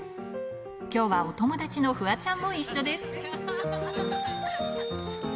きょうはお友達のフワちゃんも一緒です。